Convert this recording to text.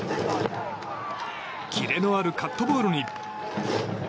キレのあるカットボールに。